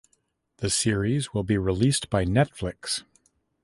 The series will be released by Netflix.